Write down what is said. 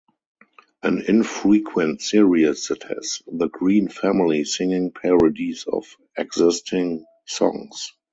An infrequent series that has the Green family singing parodies of existing songs.